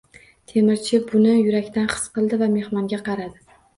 Temirchi buni yurakdan his qildi va mehmonga qaradi.